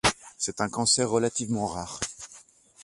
C'est un cancer relativement rare.